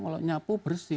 kalau nyapu bersih